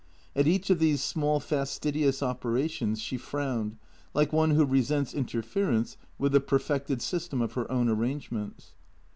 At each of these small fastidious operations she frowned like one who resents interference with the perfected system of her own arrangements.